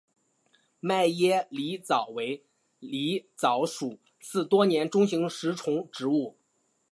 迈耶狸藻为狸藻属似多年中型食虫植物。